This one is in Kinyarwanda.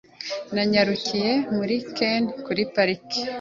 Nanyarukiye muri Ken kuri parike.